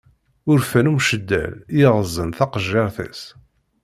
Urfan umceddal, i yeɣeẓẓen taqejjiṛt-is.